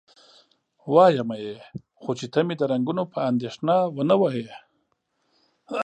وایمه یې، خو چې ته مې د رنګونو په اندېښنه و نه وهې؟